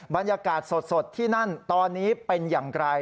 บรรยากาศสดที่นั่นตอนนี้เป็นอย่างไร